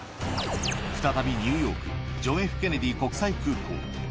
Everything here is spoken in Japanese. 再びニューヨーク、ジョン・Ｆ・ケネディ国際空港。